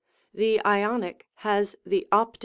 The Ionic has the Opt.